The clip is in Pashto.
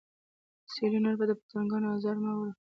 سیلۍ نور د پتنګانو ازار مه وړه